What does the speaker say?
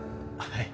はい。